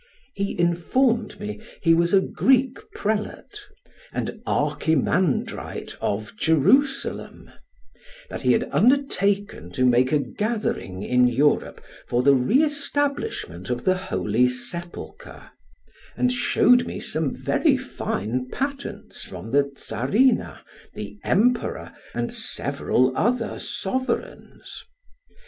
He informed me he was a Greek prelate, and 'Archimandrite' of Jerusalem; that he had undertaken to make a gathering in Europe for the reestablishment of the Holy Sepulchre, and showed me some very fine patents from the czarina, the emperor, and several other sovereigns.